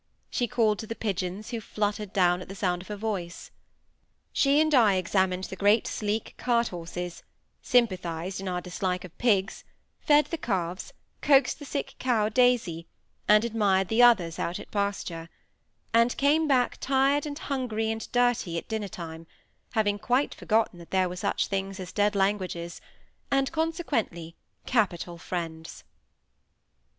She called to the pigeons, who fluttered down at the sound of her voice. She and I examined the great sleek cart horses; sympathized in our dislike of pigs; fed the calves; coaxed the sick cow, Daisy; and admired the others out at pasture; and came back tired and hungry and dirty at dinner time, having quite forgotten that there were such things as dead languages, and consequently capital friends.